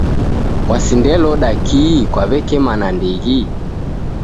Kwasindeloda kii kwawekema nandighi